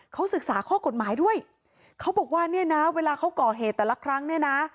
เขาศึกษาข้อกฎหมายด้วยเขาบอกว่าเนี่ยนะเวลาเขาก่อเหตุแต่ละครั้งเนี่ยนะ